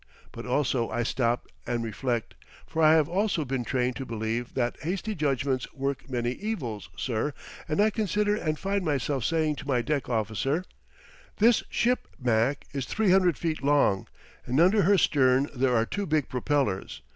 But also I stop and reflect, for I have also been trained to believe that hasty judgments work many evils, sir, and I consider and find myself saying to my deck officer: "This ship, Mac, is 300 feet long, and under her stern there are two big propellers.